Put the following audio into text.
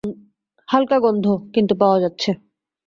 হালকা গন্ধ, কিন্তু পাওয়া যাচ্ছে।